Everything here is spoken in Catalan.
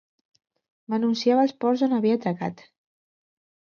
M'anunciava els ports on havia atracat.